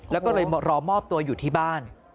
แล้วก็เลยรอมอบตัวอยู่ที่บ้าน